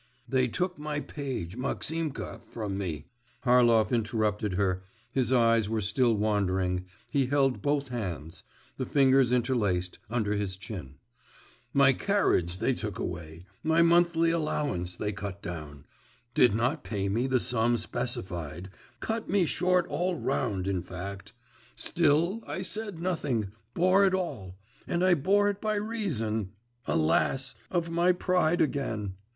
… 'They took my page, Maximka, from me,' Harlov interrupted her (his eyes were still wandering, he held both hands the fingers interlaced under his chin), 'my carriage they took away, my monthly allowance they cut down, did not pay me the sum specified, cut me short all round, in fact; still I said nothing, bore it all! And I bore it by reason … alas! of my pride again.